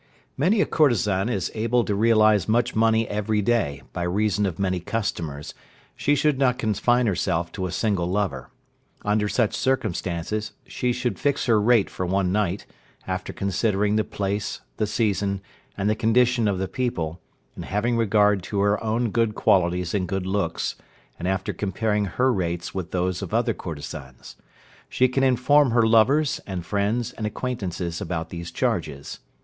When a courtesan is able to realize much money every day, by reason of many customers, she should not confine herself to a single lover; under such circumstances, she should fix her rate for one night, after considering the place, the season, and the condition of the people, and having regard to her own good qualities and good looks, and after comparing her rates with those of other courtesans. She can inform her lovers, and friends, and acquaintances about these charges.